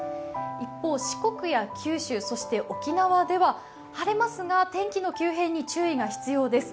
一方、四国や九州、沖縄では晴れますが天気の急変に注意が必要です。